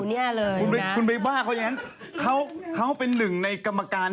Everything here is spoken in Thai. พี่หนิงมาบ่อยนะคะชอบเห็นมั้ยดูมีสาระหน่อย